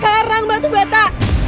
sekarang batu bata